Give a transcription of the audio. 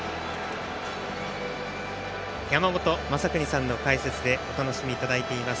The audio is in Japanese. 山本昌邦さんの解説でお楽しみいただいています。